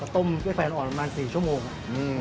ต้องให้แฟนออกประมาณสี่ชั่วโมงอืม